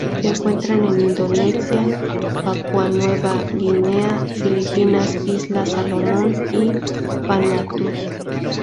Se encuentra en Indonesia, Papúa Nueva Guinea, Filipinas Islas Salomón y Vanuatu.